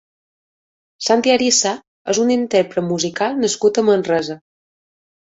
Santi Arisa és un intérpret musical nascut a Manresa.